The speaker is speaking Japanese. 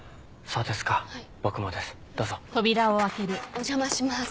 お邪魔します。